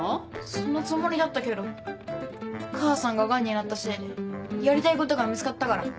そのつもりだったけど母さんがガンになったせいでやりたいことが見つかったから。